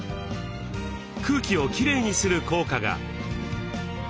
空気をきれいにする効果が。